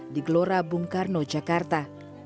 di gelora bung karno jakarta